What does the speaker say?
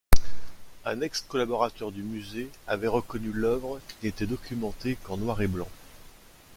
Un ex-collaborateur du musée avait reconnu l'œuvre qui n'était documentée qu'en noir et blanc.